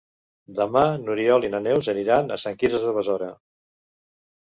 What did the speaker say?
Demà n'Oriol i na Neus aniran a Sant Quirze de Besora.